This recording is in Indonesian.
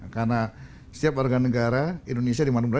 karena setiap warga negara indonesia di mana mana